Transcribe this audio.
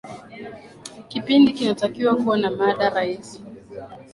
kipindi kinatakiwa kuwa na mada rahisi